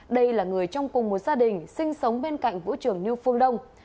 đây là người trong cùng một gia đình sinh sống bên cạnh vũ trường như phương đông